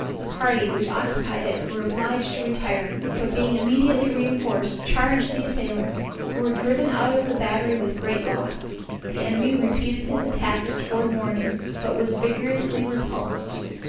The party which occupied it were obliged to retire, but being immediately reinforced charged the assailants, who were driven out of the battery with great loss. The enemy repeated his attacks towards morning but was vigorously repulsed.